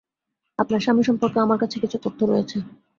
আপনার স্বামী সম্পর্কে আমার কাছে কিছু তথ্য রয়েছে।